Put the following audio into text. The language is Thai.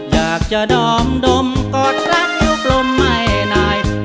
อยากจะดอมดมกอดรักนิ้วกลมให้นาย